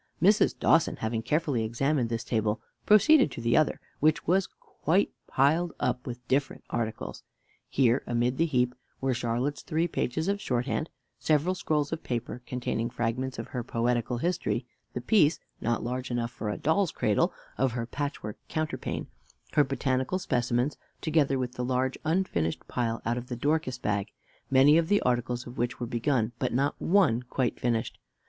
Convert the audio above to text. Mrs. Dawson, having carefully examined this table, proceeded to the other, which was quite piled up with different articles. Here, amid the heap, were Charlotte's three pages of shorthand; several scraps of paper containing fragments of her poetical history; the piece (not large enough for a doll's cradle) of her patchwork counterpane; her botanical specimens; together with the large unfinished pile out of the Dorcas bag, many of the articles of which were begun, but not one quite finished.